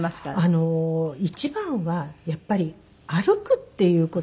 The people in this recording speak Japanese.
あの一番はやっぱり歩くっていう事が。